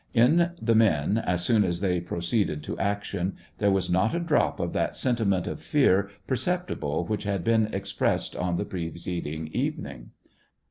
In the men, as soon as they proceeded to action, 240 SEVASTOPOL IN AUGUST. there was not a drop of that sentiment of fear perceptible which had been expressed on the pre ceding evening.